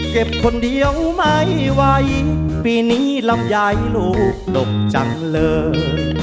เก็บคนเดียวไม่ไหวปีนี้ลำไยลูกหลบจังเลย